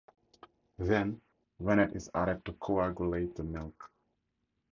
Then, rennet is added to coagulate the milk.